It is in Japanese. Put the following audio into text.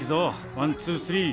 ワンツースリー！